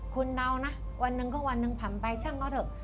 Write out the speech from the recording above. คุณเดานะวันหนึ่งก็วันหนึ่งผ่านไปช่างเขาเถอะ